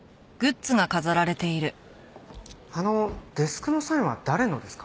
あのデスクのサインは誰のですか？